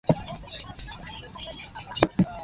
It targets the Asia-Pacific region.